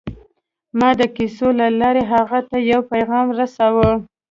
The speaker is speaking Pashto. ما د کیسو له لارې هغه ته یو پیغام رساوه